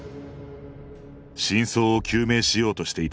真相を究明しようとしていた